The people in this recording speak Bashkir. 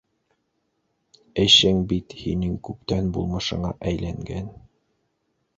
Эшең бит һинең күптән булмышыңа әйләнгән.